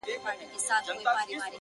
ارام سه څله دي پر زړه کوې باران د اوښکو،